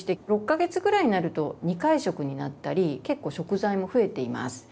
６か月ぐらいになると２回食になったり結構食材も増えています。